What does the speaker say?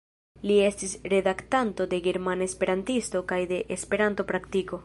Li estis redaktanto de Germana Esperantisto kaj de Esperanto-Praktiko.